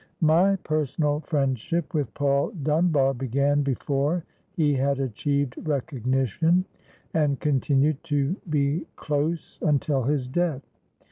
My personal friendship with Paul Dunbar began before he had achieved recognition, and continued to be close until his death.